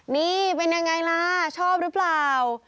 นี่เป็นยังไงล่ะชอบหรือเปล่า